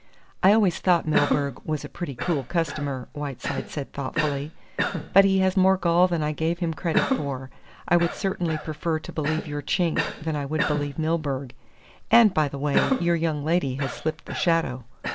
"I always thought Milburgh was a pretty cool customer," Whiteside said thoughtfully. "But he has more gall than I gave him credit for. I would certainly prefer to believe your Chink than I would believe Milburgh. And, by the way, your young lady has slipped the shadow."